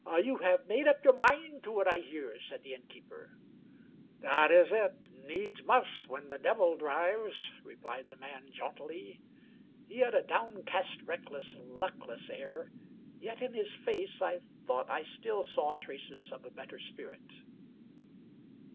150 Stanley J. Weyman " You have made up your mind to it, I hear? " said the innkeeper. " That is it. Needs must when the devil drives !" replied the man jauntily. He had a downcast, reckless, luckless air, yet in his face I thought I still saw traces of a better spirit.